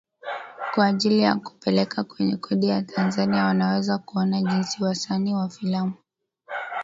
kwa ajili ya kupeleka kwenye kodi ya Tanzania Unaweza kuona jinsi wasanii wa filamu